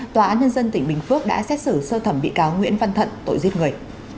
tòa án nhân dân tỉnh bình phước đã xét xử sơ thẩm bị cáo nguyễn văn thận tội giết người